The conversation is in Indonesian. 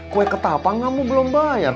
kue ketapang kamu belum bayar